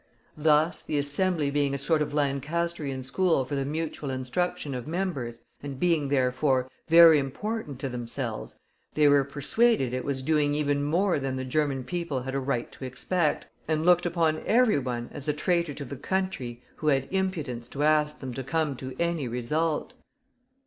Thus, the Assembly being a sort of Lancastrian School for the mutual instruction of members, and being, therefore, very important to themselves, they were persuaded it was doing even more than the German people had a right to expect, and looked upon everyone as a traitor to the country who had impudence to ask them to come to any result.